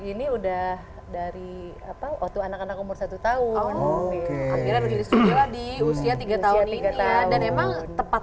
ini udah dari apa waktu anak anak umur satu tahun akhirnya diusia tiga tahun ini dan memang tepat